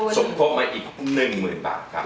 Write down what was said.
สมทบมาอีก๑หมื่นบาทครับ